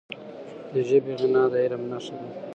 د ژبي غنا د علم نښه ده.